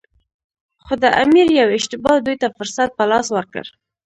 خو د امیر یوې اشتباه دوی ته فرصت په لاس ورکړ.